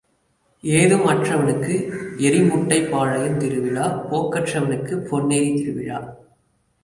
ஏதும் அற்றவனுக்கு எரிமுட்டைப் பாளையம் திருவிழா போக்கற்றவனுக்குப் பொன்னேரித் திருவிழா.